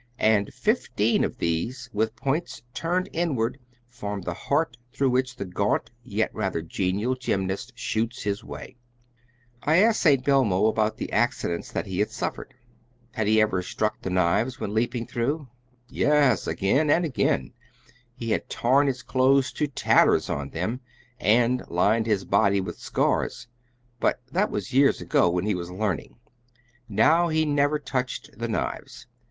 And fifteen of these, with points turned inward, form the heart through which this gaunt yet rather genial gymnast shoots his way. [Illustration: THROUGH A PAPER BALLOON AT THE END OF A GREAT FEAT.] I asked St. Belmo about the accidents that he had suffered. Had he ever struck the knives when leaping through? Yes, again and again. He had torn his clothes to tatters on them, and lined his body with scars. But that was years ago, when he was learning. Now he never touched the knives.